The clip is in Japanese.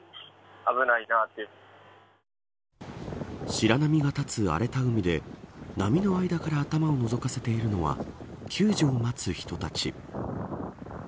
白波が立つ、荒れた海で波の間から頭をのぞかせているのは救助を待つ人たち。